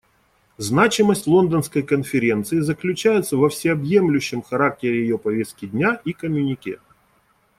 Значимость Лондонской конференции заключается во всеобъемлющем характере ее повестки дня и коммюнике.